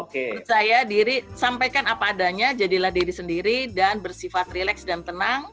percaya diri sampaikan apa adanya jadilah diri sendiri dan bersifat relax dan tenang